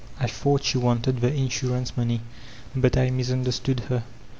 I thought she wanted the insurance money, but I misunderstood her.